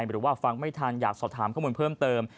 หรือว่าฟังไม่ทันอยากสอบถามข้อมูลเพิ่มเติม